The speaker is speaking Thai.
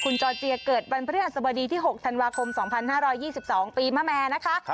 คุณจอร์เจียเกิดวันพฤหัสบดีที่๖ธันวาคม๒๕๒๒ปีมะแม่นะคะ